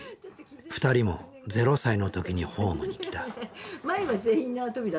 ２人も０歳の時にホームに来た。